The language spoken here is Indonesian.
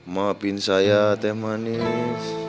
maafin saya teh manis